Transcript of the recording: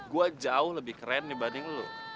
gue jauh lebih keren dibanding lo